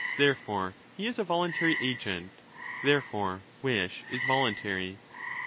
Therefore he is a voluntary 35 agent. Therefore wish is voluntary. 12 16 = E.